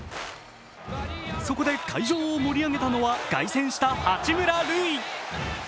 そこで会場を盛り上げたのは凱旋した八村塁。